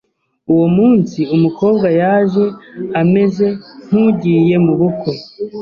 uwo munsi umukobwa yaje amaez nk'ugiye mu bukwe